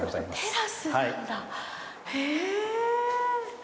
テラスなんだ。